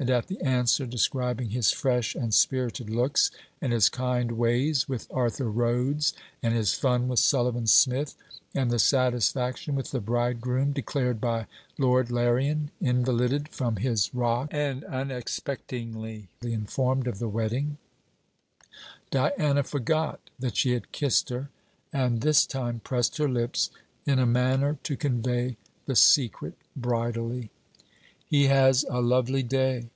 and at the answer, describing his fresh and spirited looks, and his kind ways with Arthur Rhodes, and his fun with Sullivan Smith, and the satisfaction with the bridegroom declared by Lord Larrian (invalided from his Rock and unexpectingly informed of the wedding), Diana forgot that she had kissed her, and this time pressed her lips, in a manner to convey the secret bridally. 'He has a lovely day.'